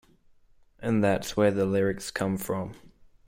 And that's where the lyrics come from.